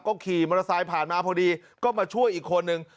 ก็ขี่มอเตอร์ไซค์ผ่านมาพอดีก็มาช่วยอีกคนนึง